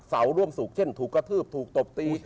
ร่วมสุขเช่นถูกกระทืบถูกตบตี